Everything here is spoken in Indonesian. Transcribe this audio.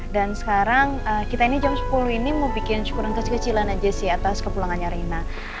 dan sekarang kita ini jam sepuluh ini mau bikin syukuran kecil kecilan aja sih atas kepulangannya rena